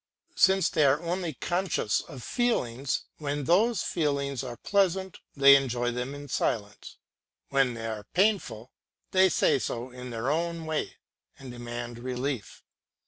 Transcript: Since they are only conscious of feelings, when those feelings are pleasant they enjoy them in silence; when they are painful they say so in their own way and demand relief.